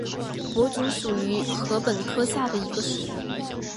薄竹属是禾本科下的一个属。